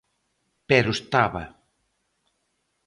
Pero estaba.